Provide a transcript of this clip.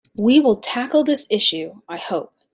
We will tackle this issue, I hope.